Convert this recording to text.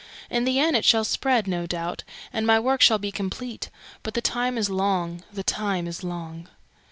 In the end it shall spread, no doubt, and my work shall be complete; but the time is long, the time is long."